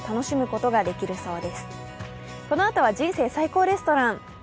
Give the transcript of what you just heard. このあとは「人生最高レストラン」。